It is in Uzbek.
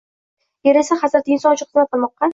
Yer esa hazrati Inson uchun xizmat qilmoqqa